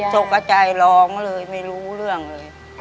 ตกใจร้องเลยไม่รู้เรื่องเลย